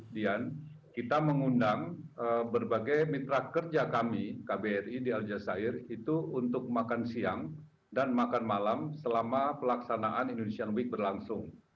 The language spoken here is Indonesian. dan kita mengundang berbagai mitra kerja kami kbri di al jazeera itu untuk makan siang dan makan malam selama pelaksanaan indonesian week berlangsung